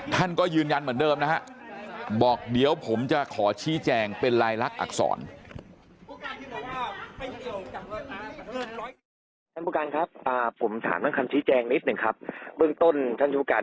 ท่านก็ยืนยันเหมือนเดิมนะฮะบอกเดี๋ยวผมจะขอชี้แจงเป็นลายลักษณ์อักษร